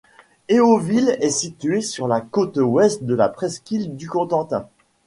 Héauville est située sur la côte ouest de la presqu'île du Cotentin.